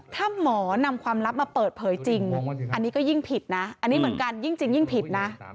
ถ้าหมอนำความลับมาเปิดเผยจริงอันนี้ก็ยิ่งผิดนะอันนี้เหมือนกันยิ่งจริงยิ่งผิดนะ